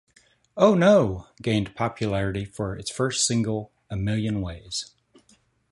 "Oh No" gained popularity for its first single, "A Million Ways".